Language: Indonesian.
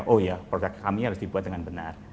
oh ya produk kami harus dibuat dengan benar